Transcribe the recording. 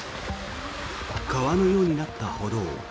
川のようになった歩道。